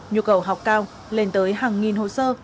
nhu cầu học cao lên tới hàng nghìn hồ sơ